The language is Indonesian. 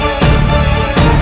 aku akan menemukanmu